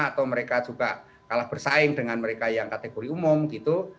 atau mereka juga kalah bersaing dengan mereka yang kategori umum gitu